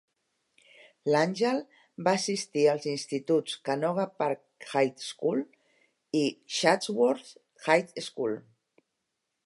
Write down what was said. L'Angel va assistir als instituts Canoga Park High School i Chatsworth High School.